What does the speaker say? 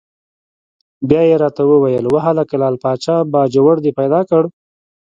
بیا یې را ته وویل: وهلکه لعل پاچا باجوړ دې پیدا کړ؟!